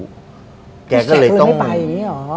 พี่แฉะคือไม่ไปอย่างนี้หรอ